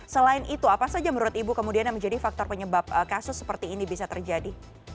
selain itu apa saja menurut ibu kemudian yang menjadi faktor penyebab kasus seperti ini bisa terjadi